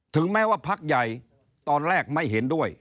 ถึงแม้ว่าพักใหญ่ตอนแรกไม่เห็นด้วย